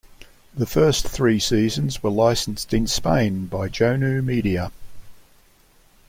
The first three seasons were licensed in Spain by Jonu Media.